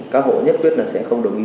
các hộ nhất quyết là sẽ không đồng ý